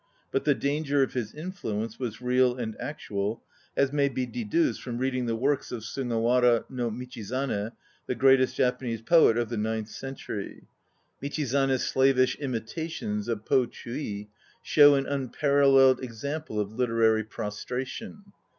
But the danger of his influence was real and actual, as may be deduced from reading the works of Sugawara no Michizane, the greatest Japanese poet of the ninth century. Michizane's slavish imitations of Po Chii i show an unparalleled example of literary prostration.